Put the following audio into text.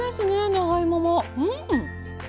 長芋もうん！